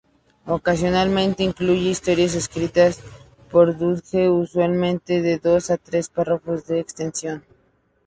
Ocasionalmente incluye historias escritas por Drudge, usualmente de dos o tres párrafos de extensión.